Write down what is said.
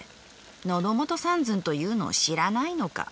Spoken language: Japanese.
のどもと三寸というのを知らないのか。